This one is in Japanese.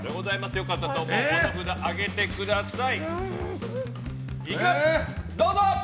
良かったと思うほうを上げてください。